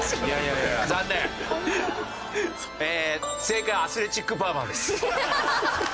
正解は「アスレチックパーマです」。